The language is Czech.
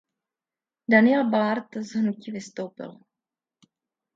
Daniel Ballard z hnutí vystoupil.